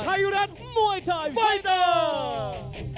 ไทยรัฐมวยไทยไฟเตอร์